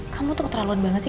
kamu tuh keterlaluan banget sih